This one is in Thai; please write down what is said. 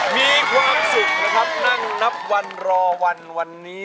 มีความสุขนะครับนั่งนับวันรอวันวันนี้